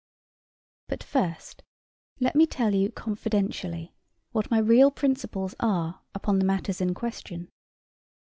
But first let me tell you, confidentially, what my real principles are upon the matters in question.